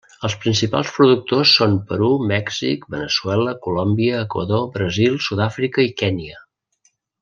Els principals productors són Perú, Mèxic, Veneçuela, Colòmbia, Equador, Brasil, Sud-àfrica i Kenya.